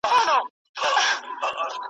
د رقیب دي زړه را سوړ کی زړه دي وچوه اسمانه .